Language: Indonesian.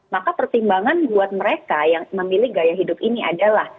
maka pertimbangan buat mereka yang memilih gaya hidup ini adalah